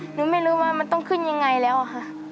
หนูไม่รู้ว่ามันต้องขึ้นยังไงแล้วค่ะ